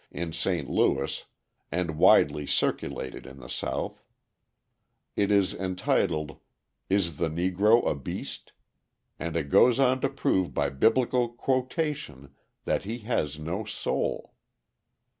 in St. Louis and widely circulated in the South. It is entitled "Is the Negro a Beast?" and it goes on to prove by Biblical quotation that he has no soul!